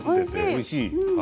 おいしい。